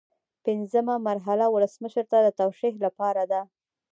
پنځمه مرحله ولسمشر ته د توشیح لپاره ده.